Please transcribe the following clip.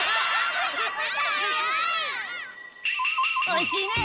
おいしいね。